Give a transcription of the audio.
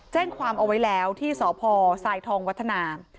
แจ้งความเอาไว้แล้วที่สพทรายทองวัฒนา